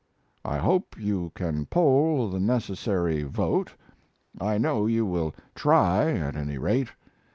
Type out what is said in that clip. I hope you can poll the necessary vote; I know you will try, at any rate.